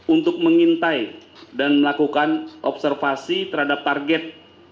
untuk mengintai dan melakukan observasi terhadap target